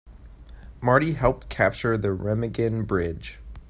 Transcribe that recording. Marty helped capture the Remagen Bridge.